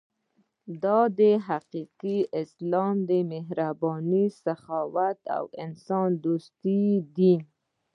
دا دی حقیقي اسلام د مهربانۍ، سخاوت او انسان دوستۍ دین.